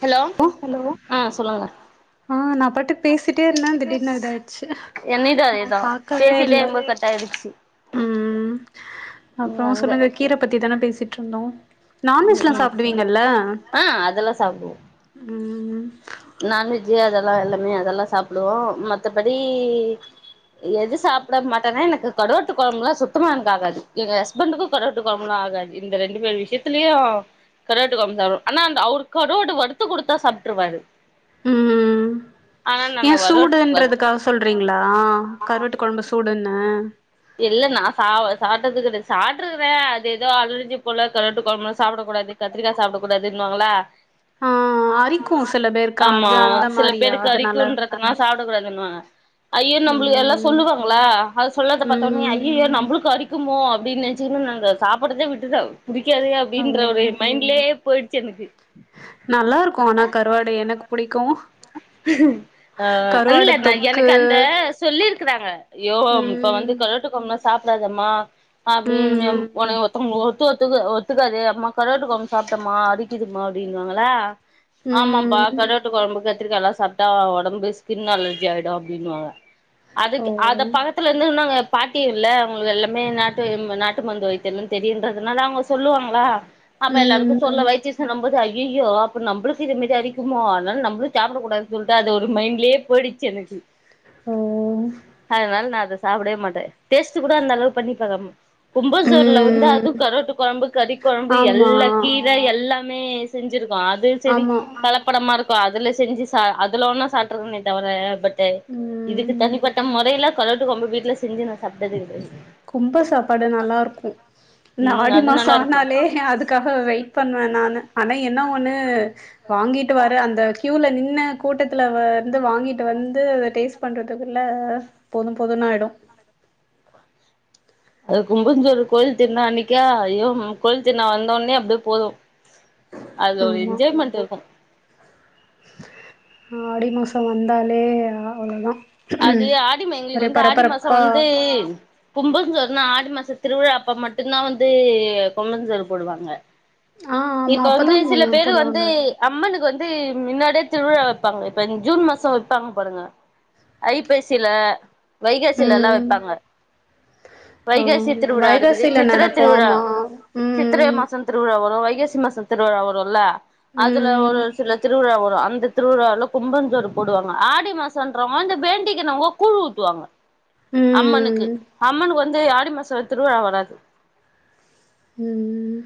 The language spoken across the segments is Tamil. ஹலோ ஓ ஹலோ ஆ சொல்லுங்க ஆ நா பாட்டு பேசிட்டே இருந்தே திடின் இத ஆயிடுச்சு என்னிது அதேதான் பேசிட்டே இருக்கும்போது கட் ஆகிடுச்சு ம் அப்புறம் அங்க சொல்லுங்க கீர பத்தி தானே பேசிட்டு இருந்தோம் ம் நான்வெஜ்ல்லா ம் சாப்பிடுவீங்கல்ல ஆ அதெல்லா ம் நண்வெஜ் அதெல்லா எல்லாமே அதெல்லா சாப்பிடுவோ மத்தபடி எது சாப்பிட மாட்டேன்னா எனக்கு கடுவாட்டு குழம்புல்லா சுத்தமா எனக்கு ஆகாது எங்க ஹஸ் ஸ்பண்டுக்கு கருவாட்டு குழம்புன்னா ஆகாது இந்த ரெண்டு பேர் விஷயத்தலயும் கருவாட்டுகுழம் சாப்ட ஆனா அந்த அவரு கருவாடு வருத்து குடுத்தா சாப்புட்டுருவாரு ம் ஏ நானு வரு வறு சூடுன்றதுக்கா சொல்றீங்களா கருவாட்டு குழம்பு சூடுன்னு இல்ல நா ச சாப்டாது கிடைய சாப்பிட்டுகுறேன் வே அது ஏதோ அலர்ஜி போல கருவாட்டு குழம்பு சாப்பிட கூடாது கத்திரிக்க சாப்படக் கூடாதுன்னுவாங்களா ஆ அரிக்கு சில பேருக்கு ஆமா அது அந்த சில மாரியா பேருக்கு அதனால அரிக்குன்றதனலா சாப்டகூடாதுன்னுவாங்க ஐயோ நம்மளுக்கு எல்லா ம் சொல்லுவாங்களா அது சொல்லறதே பாத்தே உடனே ம் ஐயோ ஐயோ நம்மளுக்கு அரிக்குமோ அப்பிடின் நேனேச்சக்கன்னனு நாங்கே சாப்பிடிரதே விட்டுடோம் புடிக்காது ஓ அப்பிடின்ற ஒரு மைண்ட்லயே போயிடுச்சு எனக்கு நல்லா இருக்கும் ஆனா கருவாடு எனக்கு புடிக்கும் ஆ இல்லே தொக்கு எனக்கு அந்த சொல்லிருக்கறாங்கே ஐயோ ம் இப்ப வந்து ம் கருவாட்டு கொழம்பெல்லா சாப்பிடாதம்மா ஆ [unintelligible] ம் ங்க ஒத்து ஒத்துக்கு ஒத்துக்காது அம்மா கரோட்டு கொழும்பு சாப்டமா அரிக்குதுமா அப்படின்னுவாங்கள ம் ஆமாப்பா கருவாட்டு குழம்பு கத்திரிக்காலா சாப்பிட்டா உடம்பு ஸ்கின்னு அலர்ஜி ஆயிடும் அப்பிடின்னுவாங்க அதுக்கு அத ம் பக்கத்துலே இருந்திருந்தாங்கே பாட்டி ஊர்ல அவுங்களுக்கு எல்லாமே நாட்டும் நாட்டு மருந்து வைத்தியம்லா தெரியுன்றதுனாலே அவங்க சொல்லுவாங்களா அப்ப எல்லாருக்கு சொல்ல ம் வைத்திஸ் து நம்மது ஐய்யய்யோ அப்ப நம்ளுக்கு இது மாரி அறிக்குமோ ஆதனால நம்பலு சாப்டக்கூடாது சொல்ட்டு அது ஒரு மைண்ட்லே பொயிடிச் எனக்கு அதனால நா அதே சாப்டவே மாட்டே டேஸ்ட் குட அந்த அளவு பண்ணிப்பாக்க பொங்கசோர்ல வந்து அது ம் கருவாட்டு கொழம்பு கறி கொழம்பு ஆமா எல்லா கீர எல்லா மே செஞ்சிருக்கோ அது செரி ஆமா கல ப்படமா இருக்கு அதுல செஞ்சி சா அதுல வேனா சாப்ட்ருக்கனே தவரே பட் டு இதுக்கு ம் தனிப்பட்ட மொறைல கருவாட்டு கொழம்பு வீட்ல செஞ்சி நா சாப்ட்டதே கெடையாது கும்ப சாப்பாடு நல்லாருக்கு இந்த ம் ஆடி அது மாசோ நல்லா ஆனாலே இருக்கு அதுக்காக வெய் பண்ணுவே நானு ஆனா என்ன ஒண்ணு வாங்கிட்டு வர அந்த கியூல நின்ன கூட்டத் துல வந்து வாங்கிட்டு வந்து டேஸ்ட் பண்றதுக்குள்ள போது போதுன் ஆயிடு அது கும்பஞ்சோறு கோயில் திருனா அன்னிக்கா ஐயோ கோயில் திருவிழா வந்தோனே அப்பிடியே போது அதுல ஒரு ஆமா என்ஜாய்மெண்டு இருக்கும் ஆடிமாச வந்தாலே அவ்ள தா அது ஆடி ம எங்களுக்கு வந்து ஆடி மாச வந்து புங்கஞ்சோறுனா ஆடி மாச திருவிழா அப்பா மட்டும்தா வந்து பொங்கச்சோறு போடுவாங்க ஆ ஆமா இப்ப அப்பதா வந்து சில பேரு வந்து போடுவாங்க அம்மனுக்கு வந்து மின்னாடியே திருவிழா வெப்பாங்க இப்ப ஜூன் மாச வெப்பாங்க பாருங்க ஐப்பசில வைகாசிலலா ம் வப்பாங்க ஆ வைகாசி திருவிழா இருக்குது வைகாசில சித்ர நடக்கு திருவிழா ஆமா சித்ர ம் மாச திருவ்ழா வரு வைகாசி மாச திருவ்ழா வரு இல்ல அதுல ம் ஒரு சில திருவிழா வரு அந்த திருவ்ழால கும்பஞ்சோறு போடுவாங்க ஆடி மாசன்றவங்க இந்த வேண்டிக்கினவங்க கூழ் ஊத்துவாங்க அம்மனுக்கு ம் அம்மனுக்கு வந்து ஆடி மாச திருவிழா வராது ம் ம்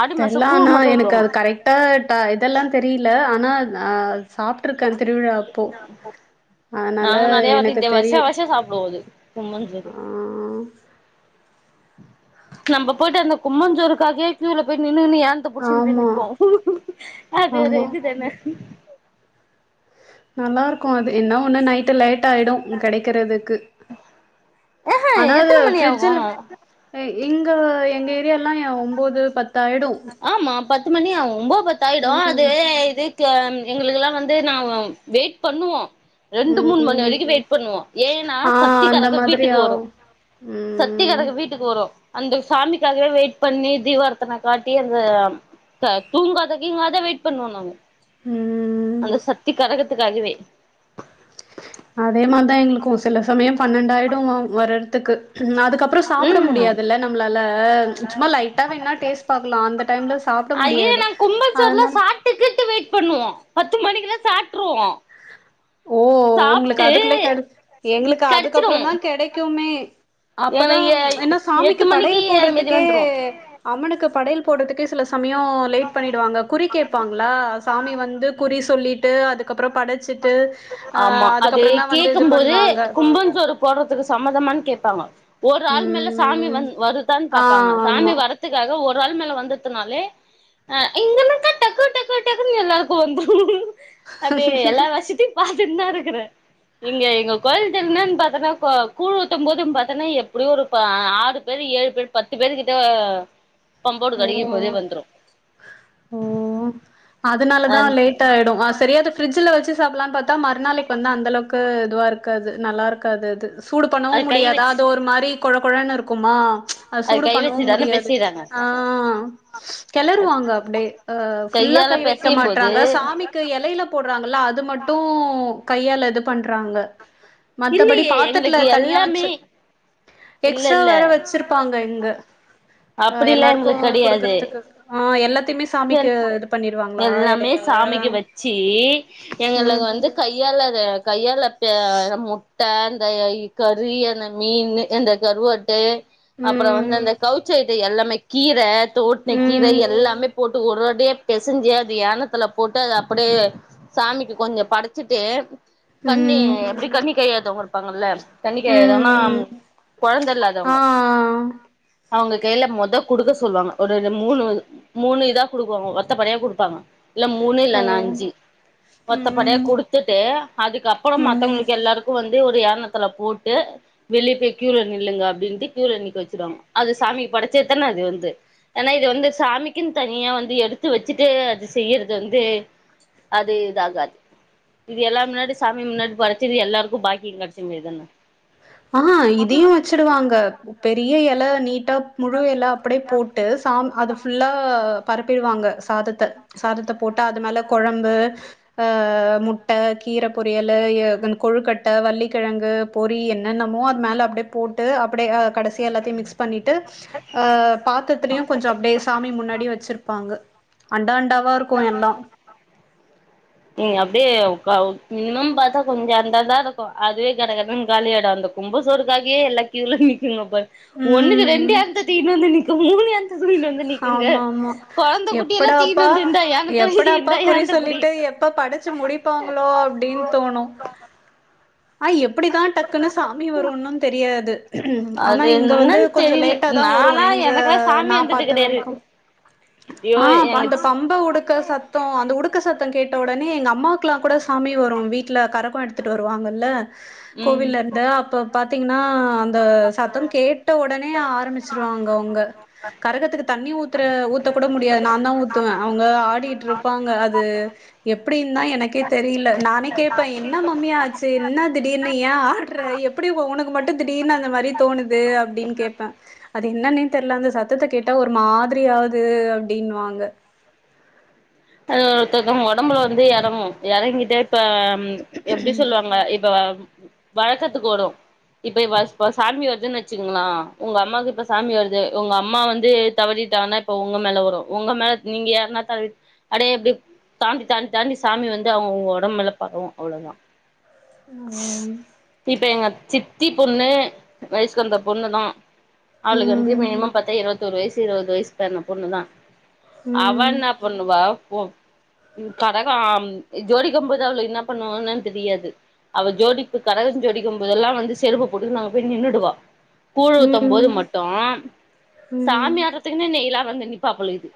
ஆடி மாசோ தெர்ல கூழ் ஆனா மட்டு எனக்கு ஊத்துவாங்க அது கரெட் டா ட இதுலா தெரில ஆனா ஆ சாப்ட்ருக்கே திருவிழா அப்போ அதனால நாங்க நெறையா வாட்டி எனக்கு இத வர்ஷா தெரியு வர்ஷா சாப்டுவோ அது கும்பஞ்சோறு ஆ நம்ப பொயிட்டு அந்த கும்பஞ்சோறுகாகயே க்யூல போய் நின்னு [unintelligible] த புடிச்சிகிட்டே ஆமா நிப்போ அதேதா ஆமா இதுதானே நல்லா இருக்கு அது என்ன ஒன்னு நைட்டு லேட் ஆகிடு கெடைக்கரதுக்கு ஆஹா ஆனா அது எத்தன மணி ஆகு ஃப்ரிட்ஜில ஏய் எங்க எங்க ஏரியாலலா ஏ ஒம்போது பத்தாய்டு ஆமா பத்து மணி ஆவு ஒம்பத் பத்தாயிடு அது ம். இது க்கு எங்ளுக்குலா வந்து நா வெயிட் பண்ணுவோ ரெண்டு மூணு மணி ம். வரைக்கு வெயிட் பண்ணுவோ ஏனா ஆ அந்த சக்திக்கரக மாதிரி வீட்டுக்கு வரு ஆவும். சத்தி ம். கரக வீட்டுக்கு வரு அந்த சாமிக்காகவே வெயிட் பண்ணி தீவார்த்தன காட்டி அந்த த தூங்காத கீங்காத வெயிட் பண்ணுவோ நாங்க ம் அந்த சக்திகரகத்துக்காகவே அதே மார்தா எங்ளுக்கு சில சமயம் பன்னெண்டாயிடு வ வறதுக்கு அதுக்கப்றோ சாப்ட ம் முடியாதில்ல நம் ளால சும்மா லைட்டா வேனா டேஸ்ட் பாக்லா அந்த டைம்ல சாப்புட ஐய முடியாது நாங்க கும்பல் சோறுலா அதனால [unintelligible] வெயிட் பண்ணுவோ பத்து மணிக்லா சாப்ட்ருவோ ஓ ஒங்ளுக்கு சாப்ட்டு அதுக்குள்ள கெட எங்களுக்கு கடிச்சிடு அதுக்கப்றோ தா கெடைக்குமே ஏன அப்பதா எ ஏனா எட்டு சாமிக்கு மணிக்கு படையல் அது மாரி போட்றதுக்கே வந்துரு அம்மனுக்கு படையல் போடுறதுக்கே சில சமயோம் லேட் பண்ணிடுவாங்க குறி கேபாங்களா சாமி வந்து குறி சொல்லிட்டு அதுக் கப்புறோ படச்சிட்டு ஆ ஆமா அது அதுக்கப்புறம் தா வந்து இது கேக்கும் போது பண்ணுவாங்க கும்பஞ்சோறு போடுறதுக்கு சம்மதமான் கேப்பாங்க ஒரு ஆள் மேல சாமி வ ம் வருதான் ஆ பாப்பாங்க சாமி ஆமா வரத் த்துக்காக ஒரு ஆள் மேல வந்தத்துனாலே அ இங்கன்ன டக்கு டக்கு டக்குன் எல்லாருக்கு வந்துரு அது எல்லா வசத்தயு பார்த்துன் நாருக்கற இங்க எங்க கோயில் திருன்னு பாத்ன்னா க கூழ் ஊத்தும் போதுன் பாத்தன்னா எப்டியு ஒரு ப ஆறு வெறு ஏழு பேர் பத்து பேரு கிட்ட உ தம்போடு கடிகும்போதே வந்துரு ஓ அ அதனாலதா லேட் ஆயிடும் ஆ செரியாது ஃப்ரிஜில வச்சு சாப்பலான் பாத்தா மறுநாளைக்கு வந்து அந்தளவுக்கு இதுவாருக்காது நல்லா இருக்காது அது சூடு பண்ணவு அது கை முடியாதா வச்சு அது ஒரு மாரி கொழ கொழனு இருக்குமா அ அது சூடு கை பண்ணவு வச்சுதானே முடியாது பெசைறாங்க ஆ கெளறுவாங்க அப்டே அ ஃபுல்லா கையால கை வைக்க பெசையும் போது மாட்றாங்க சாமி கு எலையில போட்றாங்கள அது மட்டு கையால இது பண்றாங்க மத்தப்படி இல்லையே பாத்தர்த்துல எங்களுக்கு தனியா வச்சு எல்லாமே இல்ல எக்ஸ்ட்ரா இல்ல வேற வச்சருப் ப்பாங்க இங்க அ அப்படிலா எல்லாருக்கும் எங்களுக்கு கெடையாது குடுக்கறதுக்கு ஆ எல்லாத் சாமிக்கு இது பண்ணிருவாங்களா எல்லாமே எலைல சாமிக்கு வச்சு ம் எங்களுக்கு வந்து கையால த கையால ப முட்ட அந்த கறி அந்த மீன் அந்த கருவாட்டே அப்ற வந்து ம் அந்த கவுச்சைட்டு எல்லாமே கீர தோட்ன கீர ம் எல்லாமே போட் ஒரு அடியா பெசைஞ்சு அது யானத்துல போட்டு அது அப்படியே சாமிக்கு கொஞ்ச படைச்சிட்டு கண்ணி ம் எப்டி கண்ணி கையாதவங்க இருப்பாங்கல்ல கண்ணிக் கையாதன்னா ம் கொழந்த ஆ இல்லாதவங்க அவங்க கையில மொத குடுக்க சொல்லுவாங்க ஒரு மூணுது மூணு இதா குடுக்குவாங்க ஒத்த படயா குடுப்பாங்க இல்ல மூணு இல்ல ஓ நஞ்சு பத்தப்படயா ம் குடுத்துட்டு அதுக்கப்புறம் ம் மத்தவங்களுக் எல்லாருக்கு வந்து ஒரு யாணத்துல போட்டு வெளியே போய் கியூல நில்லுங்க அப்டின்ட்டு கியூல நினிக்க வச்சுருவாங்க அது சாமிக்கு படைச்சே தான அது வந்து ஆனா இது வந்து சாமிக்குன் தனியா வந்து எடுத்து வச்சுட்டு அது செய்யறது வந்து அது இதாகாது இது எல்லா முன்னாடி சாமி முன்னாடி பறச்சு இது எல்லாருக்கு பாக்கிம் கெடச்ச மாரிதன்ன ஆ இதயு வச்சுடுவாங்க பெரிய எல நீ ட்டா முழு எல அப்டியே போட்டு சாம் அது பஃபுல்லா பரப்பிடுவாங்க சாதத் த சாதத்த போட்டு அது மேல கொழம்பு அ முட்ட கீர பொரியலு கொழுக்கட்ட வள்ளிக்கிழங்கு பொறியென் என்னமோ அது மேல அப்டியே போட்டு அப்டிய கடைசி எல்லாத்தயு மிக்ஸ் பண்ணிட்டு அ பாத்தர்துலயு கொஞ்ச அப்டியே சாமி முன்னாடி வச்சிருப்பாங்க அண்டா அண்டாவா இருக்கு எல்லா நீங்க அப்டியே க மினிமம் பாத்தா கொஞ்ச அந்த தா இருக்கு அதுவே கடகடன் காலியாயிடும் பொங்க சோறுக்காக யே எல்லா கியுல நிக்குங்க போல ஒன்னுக்கு ரெண்டு ம். யானத்த தூக்கிட்டு வந்து நிக்கு மூணு யானத்த ஆமா ஆமா குட்டி எல்லா தூக்கினு எப்படாப்பா வந்து இந்தா ஏனத்த புடி எப்படப்பா இந்தா குறி ஏனத்த புடி சொல்லிட்டு எப்ப படிச்சு முடிப்பாங்களோ அப்டின் தோணும் ஆ எப்படிதா டக்குனு சாமி வரும்னு தெரியாது ஆனா அது இங்க வந்து என்னன்னு கொஞ்சோ தெரில லேட்டா தா வரும் நாலா எங்க எனக்கா சாமி நா வந்தது பாத்த கெடையாது வரைக்கு ஐயோ ஆ எங்க அந்த பம் ரொம்ப உடுக்க சத்தோ அந்த உடுக்க சத்தோ கேட்ட உடனே எங்க அம்மாக்கல்லா கூட சாமி வரு வீட்டுல கரகோ எடுத்து எடுத்துட்டு வருவாங்கல்ல ம் கோவில்ருந்து அப்ப பாத்தீங்கன்னா அந்த சத்தம் கே ட்ட ஒடனே ஆரம்பிச்சிருவாங்க அவுங்க கரகத்துக்கு தண்ணி ஊத்துற ஊத்த கூட முடியாது நாந்தா ஊத்துவே அவங்க ஆடிட்டு இருப்பாங்க அது எப்டிந்தா எனக்கே தெரியல நானே கேப்பே என்ன மம்மி ஆச்சு என்ன திடீர்னு ஏன் ஆடுற எப் ப்படி ஒ உனக்கு மட்டும் திடீர்னு அந்த மாதிரி தோணுது அப்டின்னு கேப்பே அது என்னனு தெரியில அந்த சத் சத்தத்த கேட்டா ஒரு மாதிரியாவுது அப்படின்வாங்க அத் ஒருத்தவுங்க ஒடம்புல வந்து எறங்கு எறங்கிட்டே இப்ப ம் எப்டி சொல்லுவாங்க இப்ப வழக்கத்துக்கு வரு இப்ப வஸ் வஸ் சாமி வருதுன்னு வச்சுக்கோங்குளா உங்க அம்மாவுக்கு இப்ப சாமி வருது உங்க அம்மா வந்து தவறிட்டாங்கன்னா இப்ப உங்க மேல வரு உங்க மேல நீங்க யாருனா தவி அடே எப்டி தாண்டி தாண்டி தாண்டி சாமி வந்து அவங்க உங்க ஒடம்புல பரவும் அவ்வளோதா ம் இப்ப எங்க சித்தி பொண்ணு வயசுகந்த பொண்ணுதா அவளுக்கு வந்து ம் மினிமம் பாத்தா இருபத்தோரு வயசு இருபது வயசு பொண்ணு தான் அவ ம் என்ன பொண்ணுவா போ கரகோ ஜோடிக்கும் போது அவளுக்கு என்னா பண்ணுவாங்கனா தெரியாது அவ ஜோடிப்பு கரகம் ஜோடிக்கும் போதெல்லா வந்து செருப்ப போட்டு நாங்க போய் நின்னுடுவோ கூழு ம் ஊத்தும் போது ம் மட்டு ம் சாமி ம் ஆடுறதுக்குன்னே நெய்லா வந்து நிப்பா போல்ருக்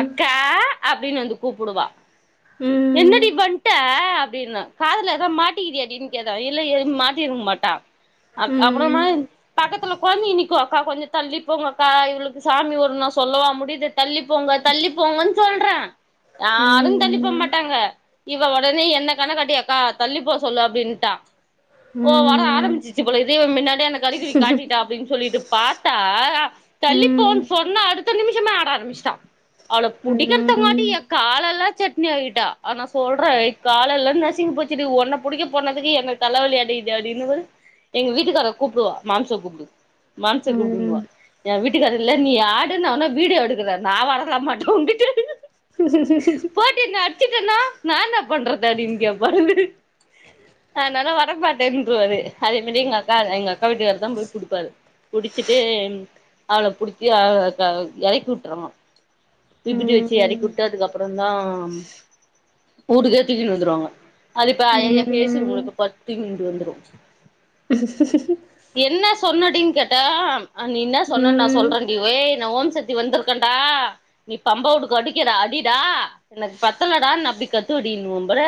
அக்கா அப்டின்னு வந்து கூப்புடுவா ம் என்னடி ம் வன்ட்ட அப்டின் காதுல ஏதோ மாட்டிக்கிறியாடி டின்னு கேட்டா இல்லையே எதும் மாட்டிருக்க மாட்டா அ அப்புறமா ம் பக்கத்துல கொழந்தைகள் நிக்கும் அக்கா கொஞ்சோ தள்ளிப்போங்க கா இவளுக்கு சாமி வருன்னா சொல்லவா முடியுது தள்ளிப்போங்க தள்ளிப்போங்க சொல்றே யாரும் தள்ளிப்போ மாட்டாங்க இவ ஒடனே என்ன கண்ணு காட்டி யக்கா தள்ளி போ சொல்லு அப்டின்னுட்டா ஓ வர ஆரம்பிச்சு போல இதே முன்னாடி‌ அந்த கருகுறிவி காட்டிட்டா அப்‌டின்னு சொல்லிட்டு பாத்தா தள்ளி போ சொன்ன அடுத்த நிமிஷமே ஆட ஆரம்பிச்சுட்டா முடிக்றத்தங்காட்டி ம் கால எல்லா சட்னி ஆக்கிட்டா ஆனா சொல்றே கால லெல்லாம் நசிங்கி போச்சுடி உன்ன பிடிக்க போனதுக்கு எனக் தலவலியாடி இது அப்டின் போது எங்க வீட்டுக்கார மாம்ச கூப்புடு மாம்ஸ கூப்பிடனுவா ம் என் வீட்டுக்காரு இல்ல நீ ஆடு நா வேணும்னா வீடியோ எடுக்குறே நான் ல வர மாட்டே நீ பாட்டு அட்ச்சுட்டேன்னா நா என்ன பண்றது அப்டினு கேப்பாரு அத்னால வர மாட்டேன்னுடுவாரு அதே மாதிரி எங்க அக்கா எங்க அக்கா வீட்டுக்கார் தான் போய் குடுப்பாரு குடிச்சிட்டு அவள புடிச்சி அவ இறக்கி வுட்டுரணு தீப்பெட்டி வெச்சு இறக்கிவுட்டு அதுக்கப்புறமா தா வூட்டுக்கே தூக்கினு வந்துருவாங்க அது இப்ப ம் ஐய்யாயா ஏ சி ரூம்ல ம் போய் படுத் தூங்கிண்டு வந்துரு என்ன சொன்னடினு கேட்டா நீ என்னா சொன்னன்னு நா சொல்றேன்டி ஏ நா ஓம் சக்தி வந்திருக்கேண்டா நீ பம்ப வுடுக்கு அடிக்கிற அடிடா எனக்கு பத்தலடானு நா அப்டி கத்துவடினுவாம் பாரு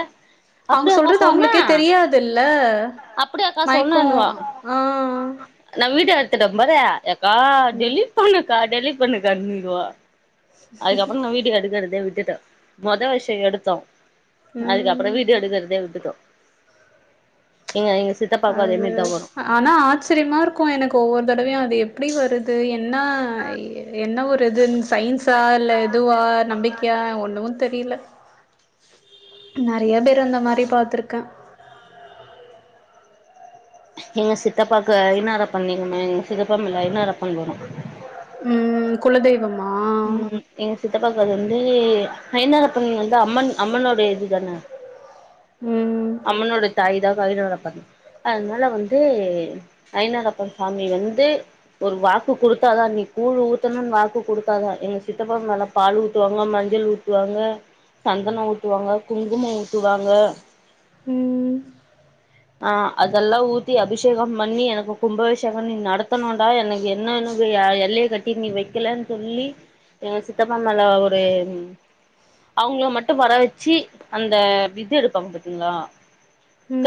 அவங்க அப்டியாக்கா சொல்றது சொன்னா அவங்களுக்கே தெரியாதுல்ல அப்டியாக்கா மயக்கோ சொன்னான்னுவா ஆ நா வீடியோ எடுத்துட்டே பாரு எக்கா டெலி்ட் பண்ணுக்கா டெலிட் பண்ணுக்கா அப்டினுவா அதுக்கப்புறோ நா வீடியோ எடுக்குறதயே விட்டுட்டே மொத விஷ்யோ எடுத்தோ அதுக்கப்புறோ ம் வீடியோ எடுக்கறதயே விட்டுட்டோ எங்க எங் சித் அது ஆனா ஆச்சிரியமா இருக்கு எனக்கு ஒவ்வொரு தடவயு அது எப் எப்டி வருது என்ன என்ன ஒரு வித் இன் சயின்ஸா இல்ல எதுவா நம்பிக்கையா ஒன்னு தெரியல நறையா பேரு அந்த மாரி பாத்திருக்கே எங்க சித்தப்பாவுக்கு ஐனாரப்பன் எங்க மேல சித்தப்பா மேல ஐனாரப்பன் வரும் ம் குலதெய்வமா ம் எங்க சித்தப்பாக்கு அது வந்து ஐனாரப்பன் வந்து அம்மன் அம்மனோட இதுதான [unintelligible] ம் அம்மனோட தாய் தா கரிவேலனப்பன் அதனால வந்து ஐனாரப்பன் சாமி வந்து ஒரு வாக்கு குடுத்தா தா நீ கூழு ஊத்தணுனு வாக்கு கொடுத் தா தா எங்க சித்தப்பா மேல பாலு ஊத்துவாங்க மஞ்சள் ஊத்துவாங்க சந்தனோ ஊத்துவாங்க குங்குமம் ஊத்துவாங்க ம் ஆ அதெல்லா ஊத்தி அபிஷேகம் பண்ணி எனக்கு கும்பாபிஷேகம் நீ நடத்தணுன்டா எனக் என்ன என்னுடய எல்லைய கட்டி நீ வைக்கல சொல்லி எங்க சித்தப்பா மேல ஒரு அவுங்கள மட்டும் வர வச்சு அந்த விது எடுப்பாங்க பாத்தீங்களா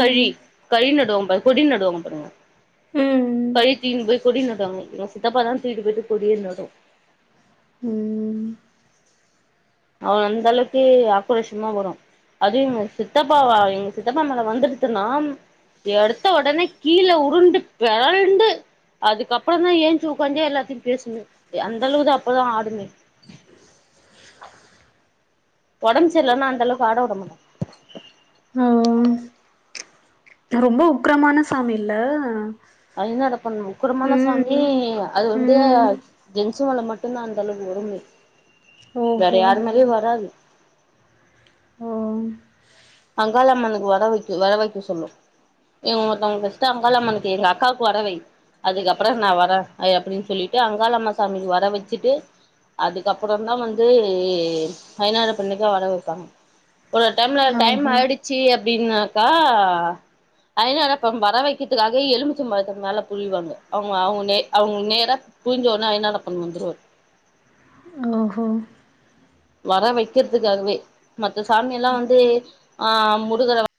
கழி கழி நடுவாங்க பாரு கொடி நடுவாங்க பாருங்க ம் கழி தீந்து போய் கொடி நடுவாங்க எங்க சித்தப்பா தா தூக்கீட்டு போய்ட்டு கொடியே நடு ம் அவர் அந்த அளவுக்கு ஆக்கரோஷமா வரும் அதுவு எங்க சித்தப்பாவ எங்க சித்தப்பா மேல வந்துடுச்சுன்னா எடுத்த உடனே கீழ உருண்டு பெரண்டு அதுக்கப்புறந்தா எய்ஞ்சு ஒக்காந்து எல்லாத்தையு பேசுமே அந்த அளவு தா அப்பவே ஆடுமே ஒடம்பு சர்லேன்னா அந்தளவுக்கு ஆட விடமாட்டோ ம் ரொம்ப உக்கரமான சாமி இல்ல அது என்னடா பண்ணு உக்கரமான ம் சாமி அது வந்து ம் ஜென்ஸு மேல மட்டுந்தா அந்தளவுக்கு வருமே வேற ஓஹோ யாரு மேலயு வராது ம் அங்காளம்மனுக்கு வட வைக்கு வர வைக்க சொல்லு எங் ஒருத்தவுங்களுக்கு ஃபர்ஸ்ட் அங்காள அம்மனுக்கு எங்க அக்காவுக்கு வட வை அதுக்கப்புறோ நா வரேன் அது அப்டினு சொல்லிட்டு அங்காளம்ம சாமிக்கு வட வச்சுட்டு அதுக்கப்புறந்தா வந்து ஐனாரப்பனுக்கே வட வைப்பாங்க ஒரு ஒரு டைம்ல ஓஹோ பிடிச்சு அப்டினாக்கா ஐனாரப்பன வர வைக்கிறதுக்காக எலுமிச்சபழத்த மேல புழிவாங்க அவுங்க அவுங்க நே அவுங்க நேரா புழிஞ்ச ஒடனே ஐனாரப்பன் வந்துருவாரு ஓஹோ வர வைக்கிறதுக்காகவே மத்த சாமி எல்லா வந்து ஆ முருகர